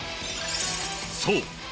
そう。